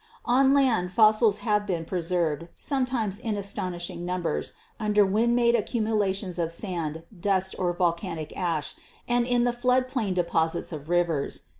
"On land fossils have been preserved, sometimes in as tonishing numbers, under wind made accumulations of sand, dust or volcanic ash and in the flood plain deposits of rivers.